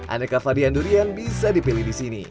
aneka varian durian bisa dipilih disini